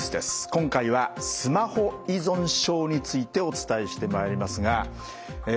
今回はスマホ依存症についてお伝えしてまいりますがえ